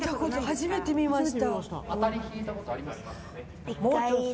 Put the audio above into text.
初めて見ました。